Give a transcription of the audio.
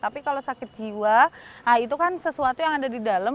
tapi kalau sakit jiwa nah itu kan sesuatu yang ada di dalam